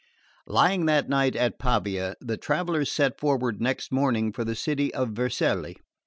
4. Lying that night at Pavia, the travellers set forward next morning for the city of Vercelli.